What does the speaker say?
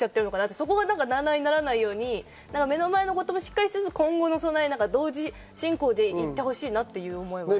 そこは、なあなあにならないように目の前のこともしっかりしつつ今後の備えも同時進行でいってほしいなっていう思いがあります。